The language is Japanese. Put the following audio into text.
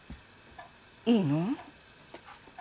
いいの？